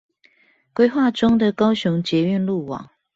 規劃中的高雄捷運路網